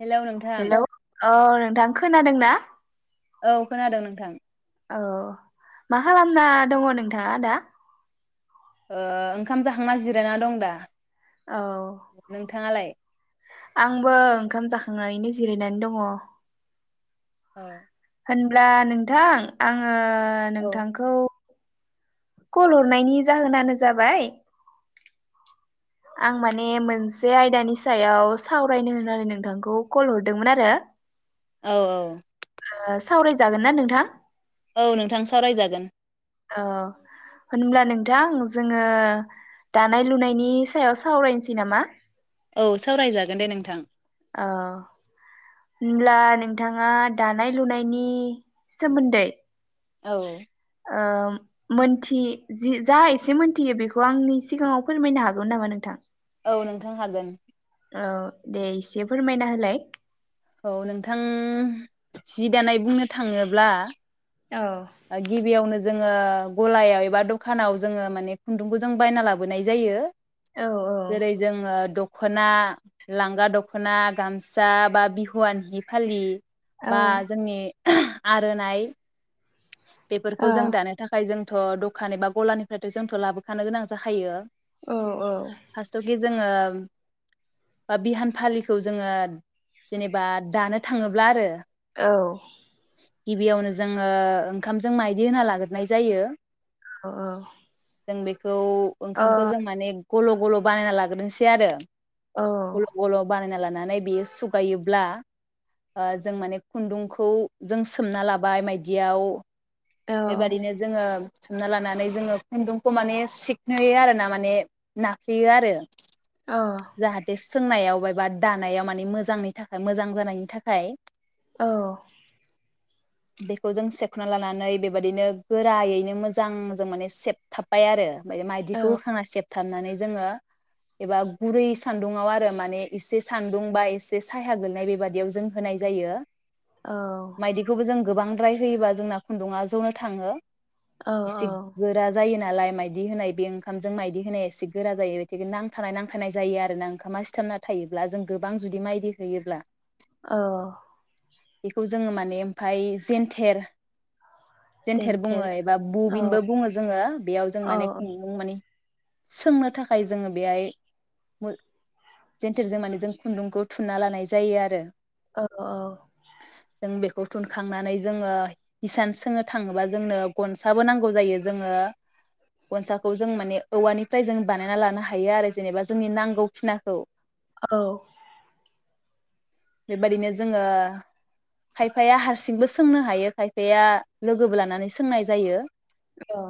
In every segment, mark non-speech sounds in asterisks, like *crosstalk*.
Hello नोंथां hello औ नोंथां खोनादोंना? औ खोनादों नोंथां औ मा खालामना दङ नोंथाङा दा? ओ ओंखाम जाखांना जिरायना दं दा। औ थाङालाय? आंबो ओंखाम जाखांनानैनो जिरायनानै दङ। औ होनब्ला नोंथां आङो ओ औ नोंथांखौ कल हरनायनि जाहोनानो जाबाय आं माने मोनसे आयदानि सायाव सावरायनो होननानै नोंथांखौ कल हरदोंमोन आरो। औ औ सावरायजागोन ना नोंथां? औ नोंथां सावरायजागोन। औ होनब्ला नोंथां जोङो दानाय लुनायनि सायाव सावरायनोसै नामा? औ सावरायजागोन दे नोंथां। औ होनब्ला नोंथाङा दानाय लुनायनि सोमोन्दै औ ओ मोनथि जि जा एसे मोनथियो बेखौ आंनि सिगाङाव फोरमायनो हागौमोन नामा नोंथां? औ नोंथां हागोन। औ दे इसे फोरमायना होलाय। औ नोंथां जि दानाय बुंनो थाङोब्ला औ ओ गिबिआवनो जोङो गलायाव एबा दखानाव जोङो माने खुन्दुंखौ जों बायना लाबोनाय जायो। औ औ जेरै जोङो दख दखना लांगा दखना गामसा बा बिहुआन हि फालि औ बा जोंनि आरनाइ बेफोरखौ जों औ दानो थाखाय जों थ' दखान एबा गलानिफ्रायथ जोंथ' लाबोखानो गोनां जाखायो। औ फासथावखि जोङो बा बिहान फालिखौ जोङो जेनेबा दानो थाङोब्ला आरो औ गिबियावनो जोङो ओंखामजों माइदि होना लाग्रोनाय जायो अ औ जों बे खौ औ ओंखामखौ जों माने गल' गल' बानायना लाग्रोनोसै आरो गल औ गल बानायना लानाय नानै बेयो सुगायोब्ला ओ जों माने खुन्दुंखौ जों सोमना लाबाय मायदियाव बेबादिनो जोङो सोमना लानानै जोङो खुन्दुंखौ माने सिखनोयो आरोना माने नाफ्लेयो आरो जाहाथे सोंनायाव बायबा दानायाव माने मोजांनि थाखाय मोजां जानायनि थाखाय औ। बेखौ जों सेखना लानानै बे बेबायदिनो गोरायैनो मोजां जों माने सेबथाबबाय आरो। मायदिखौ होखांना सेबथा थाबनानै जोङो एबा गुरै सान्दुंआव आरो माने एसे सान्दुं बा एसे साया गोलैनाय बेबादियाव जों होनाय जायो। औ मायदिखौबो जों गोबां फ्राय होयोब्ला जोंना खुन्दुंआ जनो थाङो। औ इसे गोरा जायोना। नालाय मायदि होनाय बे ओंखामजों मायदि होनाया एसे गोरा जायो बिथिखायनो नांथानाय नांथनाय जायो आरोना ओंखामा सिथाबना थायोब्ला जों गोबां जुदि माइदि होयोब्ला। औ। बेखौ जोङो माने ओमफाय जेन्थेर जेेनथेर जेन्थेर बुङो एबा औ बबिनबो बुङो जोङो बेयाव जों औ माने खुन्दुं माने सोंनो थाखाय जोङो बेहाय मो जेेनथेरजों माने जों खुन्दुंखौ थुनना लानाय जायो आरो। औ औ। बुथुमखांनानै जोङो हिसानसा सोंनो थाङोबा जोंनो गनसाबो नांगौ जायो जोङो गनसाखौ जों माने औवानिफ्राय जों बानायना लानो हायो आरो जेनेबा जोंनि नांगौ खिनाखौ। औ। बेबायदिनो जोङो खायफाया हारसिंबो सोंनो हायो खायफाया लोगोबो लानानै सोंनाय जायो। औ।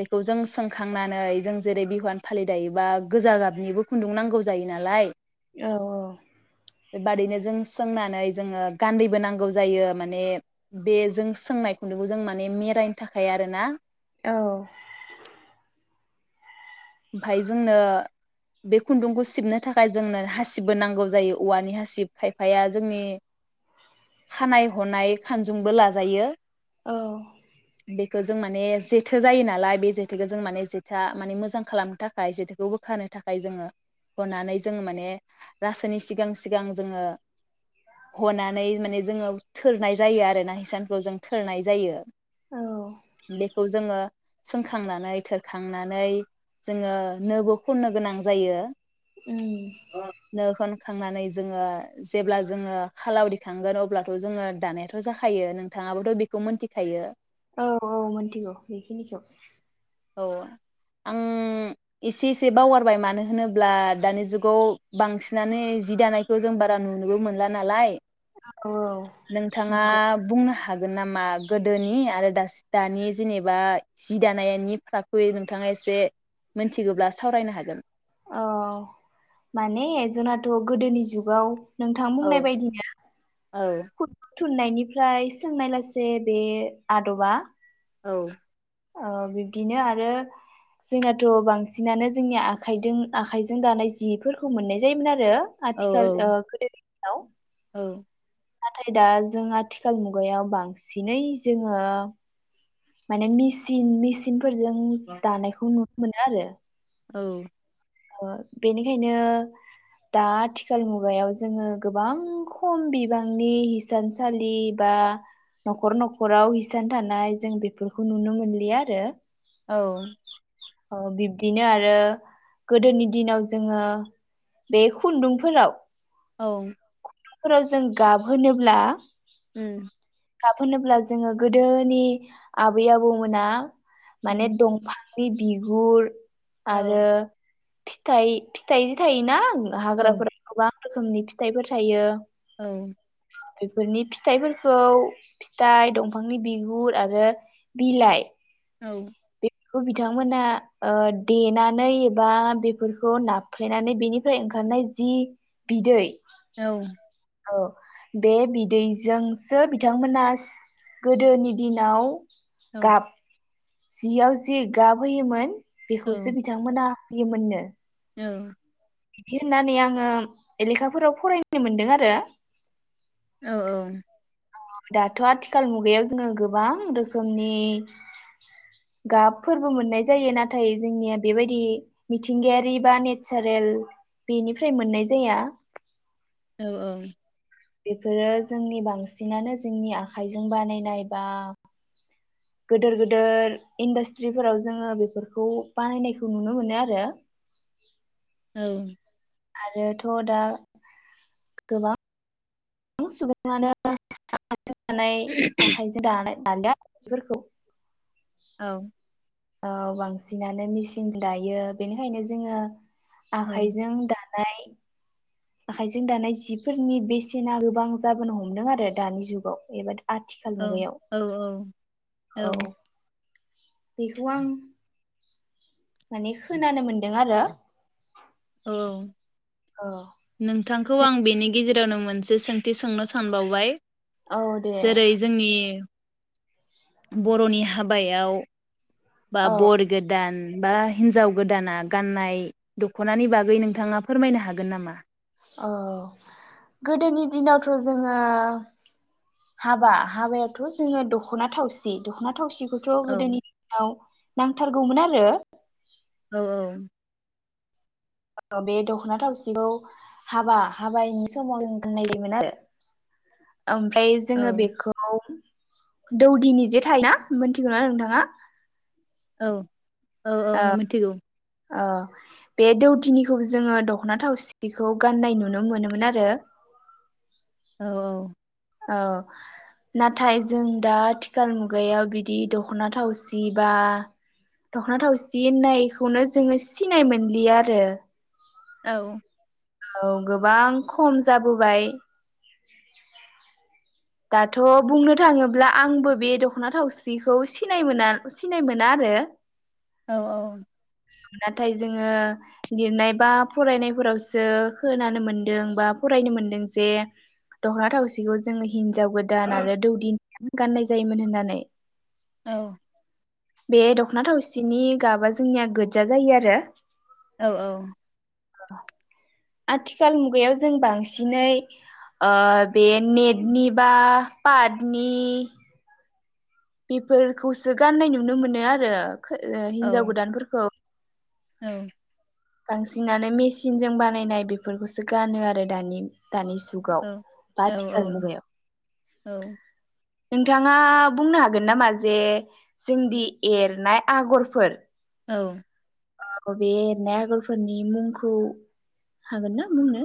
बेखौ जों सोंखांनानै जों जेरै बिहुवान फालि दायोबा गोजा गाबनिबो खुन्दुं नांगौ जायो नालाय औ औ। बेबादैनो जों सोंनानै जोङो गान्दैबो नांगौ जायो माने बे जों सोंनाय खुन्दुंखौ जों माने मेरायनो थाखाय आरो ना। औ। ओमफाय जोंनो बे खुन्दुंखौ सिबनो थाखाय जोंनो हासिबबो नांगौ जायो औवानि हासिब खायफाया जोंनि खानाय हनाय खानजुंबो लाजायो। औ। बेखो जों माने जेथो जायो नालाय बे जेथोखौ जों माने जेथोआ माने मोजां खालामनो थाखाय जेथोखौ बोखानो थाखाय जोङो हनानै जोङो माने रासोनि सिगां सिगां जोङो हनानै माने जोङो थोरनाय जायो आरोना हिसानखौ जों थोरनाय जायो। औ बेखौ जोङो सोंखांनानै थोरखांनानै जोङो नोबो खननो गोनां जायो उम। खांनानै जोङो जेब्ला जोङो खालाव दिखांगोन अब्लाथ जोङो दानायाथ जाखायो नोंथाङाबोथ बेखौ मोनथिखायो। औ औ मोनथिगौ बेखिनिखौ। औ आं एसे एसे बावगारबाय मानो होनोब्ला दानि जुगाव बांसिनानो जि दानायखौ जों बारा नुनोबो मोनला नालाय। औ नोंथाङा नंगौ बुंनो हागोन नामा गोदोनि आरो दासि दानि जेनेबा जि दानायनि फाखुइ नोंथाङा एसे मोन्थिगौब्ला सावरायनो हागोन। अ माने जोंनाथ गोदोनि जुगाव नोंथां बुंनाय औ बायदिनो औ खुन्दुं थुननायनिफ्राय सोंनाय लासे बे आदबा औ ओ बिब्दिनो आरो जोंनाथ बांसिनानो जोंनि आखाइदों आखाइजों दानाय जिफोरखौ मोननाय जायोमोन आरो औ आथिखाल ओ गोदोनि औ औ नाथाय दा जों आथिखाल मुगायाव बांसिनै जोङो माने मेसिन मेसिन फोरजों दानायखौ नु नो मोनो। आरो औ ओ बेनिखायनो दा आथिखाल मुगायाव जोङो गोबां खम बिबांनि हिसानसालि बा नखर नखराव हिसान थानाय जों बेफोरखौ नुनो मोनलिया, आरो औ औ बिब्दिनो आरो गोदोनि दिनाव जोङो बे खुन्दुंफोराव औ फोराव जों गाब होनोब्ला उम गाब होनोब्ला जोङो गोदोनि आबै आबौमोना माने उम दंफां नि बिगुर औ आरो फिथाय फिथाइ जि थायोना औ हाग्राफोराव गोबां रोखनि फिथाइफोर थायो। औ बेफोरनि फिथाइफोरखौ फिथाइ दंफांनि बिगुर आरो बिलाइ औ खौ बिथांमोना ओ देनानै एबा बेफोरखौ नाफ्लेनानै बेनिफ्राय ओंखारनाय जि बिदै औ औ बे बिदैजोंसो बिथांमोना गोदोनि दिनाव औ गाब जियाव जि गाबहोयोमोन औ बेखौसो बिथांमोना बियो मोननो औ बिदि होननानै आंङो लेखाफोराव फरायनो मोनदों आरो। औ औ दाथ' आथिखाल मुगायाव जोंङो गोबां रोखोमनि गाबफोरबो मोननाय जायो नाथाय जोंनिया बेबायदि मिथिंगायारि बा नेचारेल बेनिफ्राय मोननाय जाया। औ औ बेफोरो जोंनि बांसिनानो जोंनि आखाइजों बानायनाय बा गोदोर गोदोर इन्डास्ट्रिफोराव जोंङो बेफोरखौ बानायनायखौ नुनो मोनो आरो। औ आरोथ दा गोबां सुबुङानो *inaudible* आखाइजों दानाय *inaudible* फोरखौ औ औ बांसिनानो मेसिन दायो बेनिखायनो जोंङो औ आखाइजों दा *unintelligible* आखाइजों दानाय जिफोरनि बेसेना गोबां जाबोनो हमदों आरो दानि जुगाव ए औ औ औ औ बेखौ आं माने खोनानो मोनदों आरो औ औ नोंथांखौ आं बिनि गेजेरावनो मोनसे सोंथि सोंनो सानबावबाय। औ दे जेरै जोंनि बर'नि हाबायाव बा औ बर गोदान बा हिनजाव गोदाना गाननाय दखनानि बागै नोंथांङा फोरमायनो हागोन नामा? औ गोदोनि दिनावथ' जोंङो हाबा हाबायावथ' जोंङो दखना थावसि दखना थावसिखौथ औ गोदोनि दिनाव नांथारगौमोन आरो औ औ औ बे दखना थावसिखौ हाबा हाबानि समाव जों गानायदोंमोन आरो। ओमफ्राय औ जोंङो बेखौ दौदिनि जे थायो ना मिथिगौना नोंथाङा? औ औ औ मिथिगौ। अ बे दौदिनिखौबो जोंङो दखना थावसिखौ गाननाय नुनो मोनोमोन आरो। औ औ औ नाथाय जों दा आथिखाल मुगायाव बिदि दखना थावसि बा दखना थावसि होननायखौनो जोंङो सिनाय मोनलिया आरो। औ औ गोबां खम जाबोबाय। दाथ' बुंनो थाङोब्ला आंबो बे दखना थावसिखौ सिनाय मोना सिनाय मोना आरो। औ औ नाथाय जोङो लिरनाय बा फरायनायफोरावसो खोनानो मोनदों बा फरायनो मोनदों जे दख'ना थावसिखौ जोङो हिन्जाव गोदान आरो दौदिनि गाननाय जायोमोन होननानै औ बे दख'ना थावसिनि गाबा जोंनिया गोजा जायो आरो। औ औ आथिखाल मुगायाव जों बांसिनै ओ बे नेट निबा फाथनि बेफोरखौसो गाननाय नुनो मोनो आरो ओ हिन्जाव गोदानफोरखौ औ बांसिनानो मेसिनजों बानायनाय बेफोरखौसो गानो आरो दानि दानि जुगाव बा औ आथिखाल मुगायाव औ नोंथाङा बुंनो हागोन नामा जे जोंदि एरनाय आगरफोर औ आ बे एरनाय आगरफोरनि मुंखौ हागोन ना बुंनो?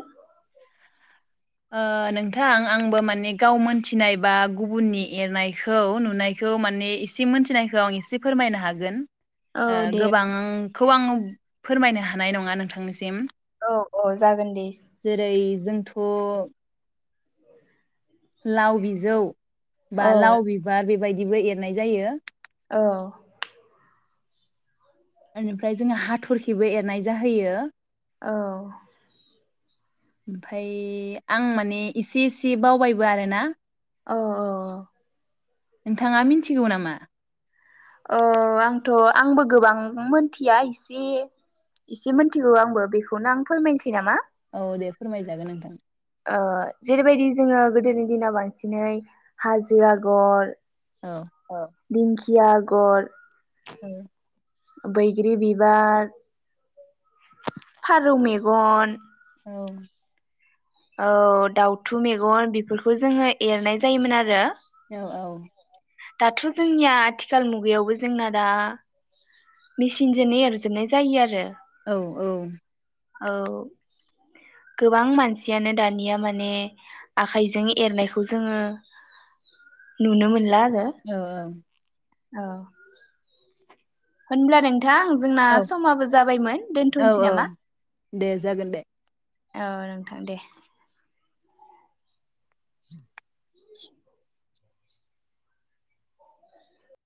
ओ नोंथां आंबो माने गाव मोनथिनाय बा गुबुननि एरनायखौ नुनायखौ माने एसे मोनथिनायखौ आं एसे फोरमायनो हागोन। औ ओ दे गोबांखौ आङो फोरमायनो हानाय नङा नोंथांनिसिम अ जागोन दे जेरै जोंथ' लाव बिजौ औ बालाव बिबार बेबायदि बिदिबो एरनाय जायो। औ बेनिफ्राय जोङो हाथरखिबो एरनाय जाहैयो। औ ओमफ्राय आं माने इसे इसे बावबायबो आरोना औ औ नोंथाङा मिथिगौ नामा? ओ आंथ' आंबो गोबां मोनथिया एसे एसे मिनथिगौ आंबो बेखौनो आं फोरमायनोसै नामा? औ दे फोरमायजागोन नोंथां ओ जेरैबायदि जोङो गोदोनि दिनाव बांसिनै हाजो आगर औ ओ दिंखिया आगर ओ बैग्रि बिबार फारौ मेगन औ औ दाउथु मेगन बेफोरखौ जोङो एरनाय जायोमोन आरो औ औ दाथ' जोंनिया आथिखाल मुगायावबो जोंना दा मेसिनजोंनो एरजोबनाय जायो आरो। औ औ औ गोबां मानस सियानो दानिया माने आखाइजों एरनायखौ जोङो नुनो मोनला आरो ओ औ होनब्ला नों थां जोंना औ समाबो जाबायमोन औ दोनथनोसै औ नामा दे जागोन दे औ नोंथां दे